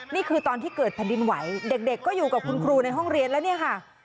นี่คือตอนที่เกิดแผ่นดินไหวเด็กก็อยู่กับคุณครูในห้องเรียนแล้วเนี่ยค่ะ